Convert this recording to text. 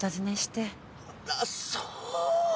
あらそう。